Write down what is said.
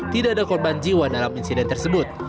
tidak ada korban jiwa dalam insiden tersebut